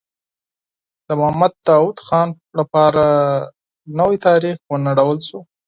د محمد داوود خان لپاره نوی تاریخ ونړول سو.